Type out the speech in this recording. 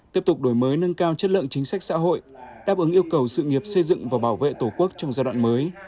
tiếp tục đổi mới nâng cao chất lượng chính sách xã hội đáp ứng yêu cầu sự nghiệp xây dựng và bảo vệ tổ quốc trong giai đoạn mới